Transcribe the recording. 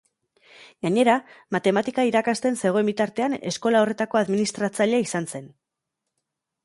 Gainera, matematika irakasten zegoen bitartean, eskola horretako administratzailea izan zen.